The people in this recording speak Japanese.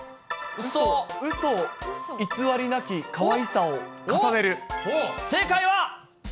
うそ偽りなきかわいさを重ね正解は。